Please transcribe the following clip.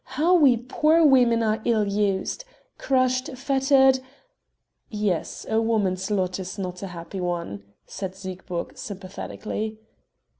How we poor women are ill used! crushed, fettered ..." "Yes, a woman's lot is not a happy one;" said Siegburg sympathetically.